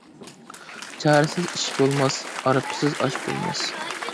چارىسىز ئىش بولماس، ئارپىسىز ئاش بولماس.